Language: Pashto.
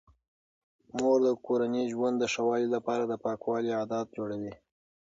مور د کورني ژوند د ښه والي لپاره د پاکوالي عادات جوړوي.